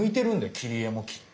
切り絵もきっと。